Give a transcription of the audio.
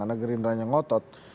karena gerindra nya ngotot